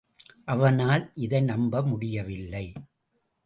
அவனால் இதை நம்ப முடியவில்லை.